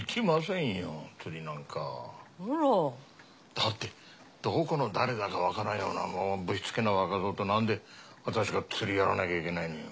だってどこの誰だかわからんようなもうぶしつけな若造となんで私が釣りやらなきゃいけないのよ。